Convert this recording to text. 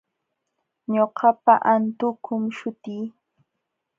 Ñuqapa antukum sutii.